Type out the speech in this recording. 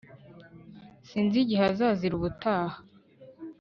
Sinzi igihe azazira ubutaha